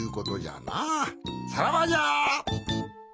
さらばじゃ！